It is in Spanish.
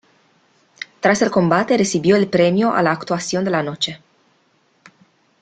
Tras el combate recibió el premio a la "Actuación de la Noche".